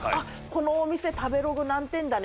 「このお店食べログ何点だね。